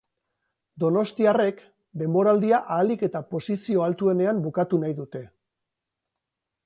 Donostiarrek, denboraldia ahalik eta posizio altuenenan bukatu nahi dute.